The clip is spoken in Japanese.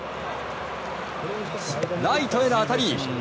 ライトへの当たり。